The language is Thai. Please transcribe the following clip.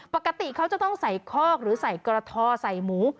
ปกติเขาจะต้องใส่คอกหรือใส่กระทอใส่หมู